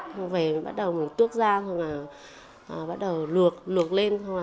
rồi bắt đầu tuốt ra bắt đầu luộc lên